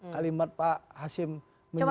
kalimat pak hasim menyebutkan